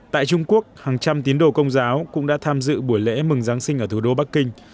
tại trung quốc hàng trăm tín đồ công giáo cũng đã tham dự buổi lễ mừng giáng sinh ở thủ đô bắc kinh